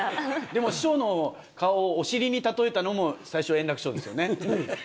でも、師匠の顔をお尻に例えたのも、最初、円楽師匠ですよね。